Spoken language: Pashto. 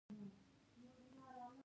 د لمر ګل تخم خوړل کیږي.